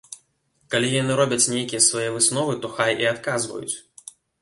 Калі яны робяць нейкія свае высновы, то хай і адказваюць!